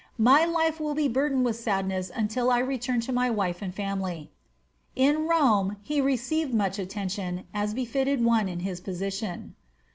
My life will be burdened with sadness until I return to my wife and family." In Rome he received much attention, as befitted one in his position.